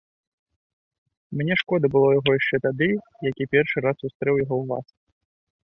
Мне шкода было яго яшчэ тады, як я першы раз сустрэў яго ў вас.